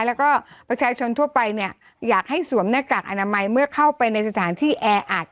แล้วก็ประชาชนทั่วไปเนี่ยอยากให้สวมหน้ากากอนามัยเมื่อเข้าไปในสถานที่แออัด